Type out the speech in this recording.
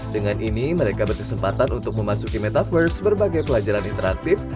dengan ini mereka berkesempatan untuk memasuki metaverse berbagai pelajaran interaktif